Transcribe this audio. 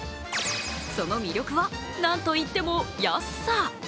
その魅力はなんといっても安さ。